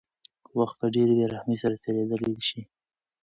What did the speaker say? وخت په ډېرې بېرحمۍ سره تېرېدلی شي.